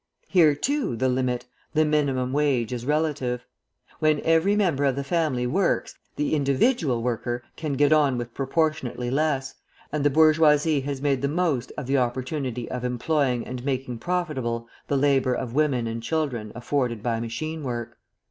Here, too, the limit, the minimum wage, is relative. When every member of the family works, the individual worker can get on with proportionately less, and the bourgeoisie has made the most of the opportunity of employing and making profitable the labour of women and children afforded by machine work.